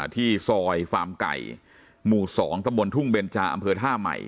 ที่ซอยฟาร์มไก่หมู่๒ตะบนทุ่งเบนจาอำเภอท่าใหม่